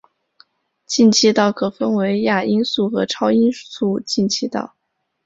进气道可分为亚音速和超音速进气道。